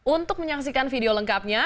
untuk menyaksikan video lengkapnya